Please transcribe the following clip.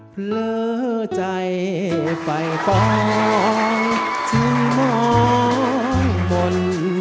เพลอใจให้ต่อที่มองบน